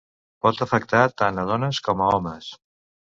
Pot afectar tant a dones com a homes.